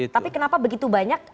tapi kenapa begitu banyak